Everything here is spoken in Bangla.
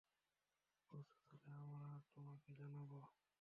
প্রস্তুত হলে আমরা তোমাকে জানাব।